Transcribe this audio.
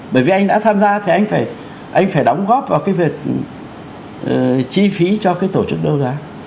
bởi vì anh đã tham gia thì anh phải anh phải đóng góp vào cái việc chi phí cho cái tổ chức đấu giá